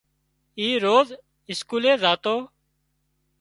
اِي روز اسڪولي زاتو